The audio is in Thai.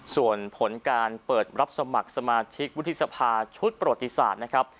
ส่วนผลการเปิดรับสมัครสมาชิกวุฒิสภาชุดประวัติศาสตร์นะครับ